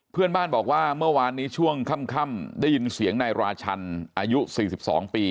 เพื่อนบ้านบอกว่าเมื่อวานนี้ช่วงค่ำได้ยินเสียงนายราชันอายุ๔๒ปี